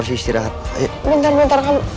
pohon porsi exp melengkapi apaan